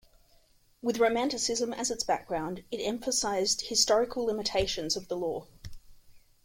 With Romanticism as its background, it emphasized the historical limitations of the law.